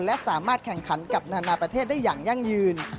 และสามารถแข่งขันกับนานาประเทศได้อย่างยั่งยืน